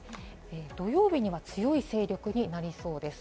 土曜日には強い勢力になりそうです。